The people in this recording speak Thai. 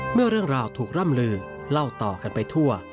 เมื่อเรื่องราวถูกร่ำลือเล่าต่อกันไปทั่ว